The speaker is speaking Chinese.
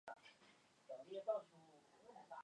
自由主义者坚持国家政府享有有限的权力。